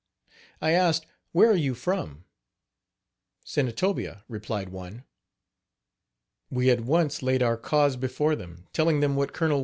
I asked: "Where are you from?" "Senatobia," replied one. We at once laid our cause before them, telling them what Col.